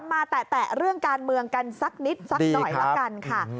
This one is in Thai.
แตะเรื่องการเมืองกันสักนิดสักหน่อยละกันค่ะ